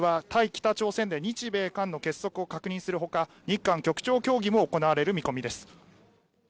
北朝鮮で日米韓の連携を確認するほか日韓局長協議も行われる見込みです。